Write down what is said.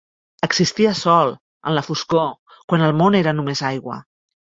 Existia sol, en la foscor, quan el món era només aigua.